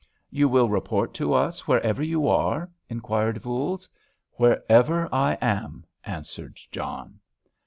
"You will report to us wherever you are?" inquired Voules. "Wherever I am," answered John.